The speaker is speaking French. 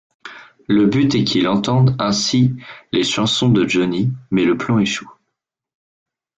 Le but est qu'il entende ainsi les chansons de Johnny, mais le plan échoue.